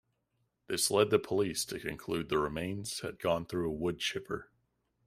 This led the police to conclude the remains had gone through a woodchipper.